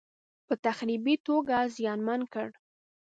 په تخریبي توګه زیانمن کړ.